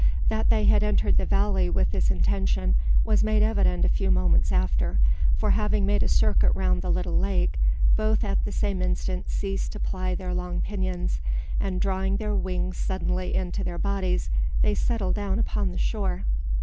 That they had entered the valley with this intention was made evident a few moments after: for having made a circuit round the little lake, both at the same instant ceased to ply their long pinions, and drawing their wings suddenly in to their bodies, they settled down upon the shore.